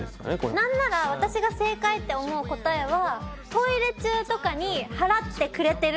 何なら私が正解って思う答えはトイレ中とかに払ってくれてるみたいな。